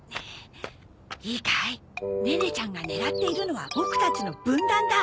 いいかいネネちゃんが狙っているのはボクたちの分断だ！